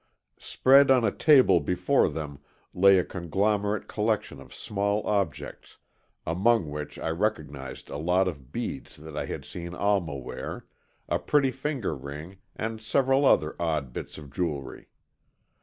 Spread on a table before them lay a conglomerate collection of small objects, among which I recognized a lot of beads that I had seen Alma wear, a pretty finger ring and several other odd bits of jewellery.